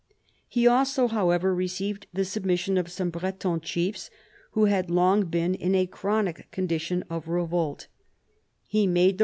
He also, however, received the submission of some Breton chiefs who had long been in a chronic condition of revolt ; he made the 256 CHARLEMAGNE.